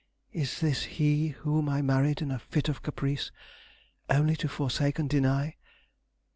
Is this he whom I married in a fit of caprice, only to forsake and deny?